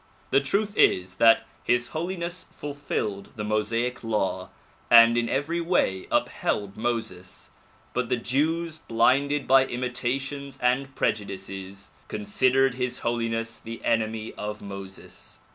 The truth is that His Holiness fulfilled the Mosaic law and in every way upheld Moses; but the Jews blinded by imitations and prejudices considered His Holiness the enemy of Moses.